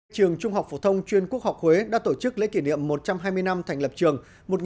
trường trung học phổ thông chuyên quốc học huế đã tổ chức lễ kỷ niệm một trăm hai mươi năm thành lập trường